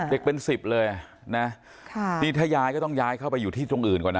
เด็กเป็นสิบเลย่ะถ้าย้ายก็ต้องย้ายไปอยู่ที่ตรงอื่นก่อน